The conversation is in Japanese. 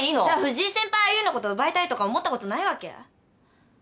じゃあ藤井先輩は優のこと奪いたいとか思ったことないわけ？